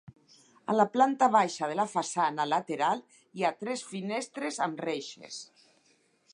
A la planta baixa de la façana lateral hi ha tres finestres amb reixes.